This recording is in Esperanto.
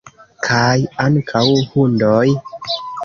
Kaj ankaŭ hundoj?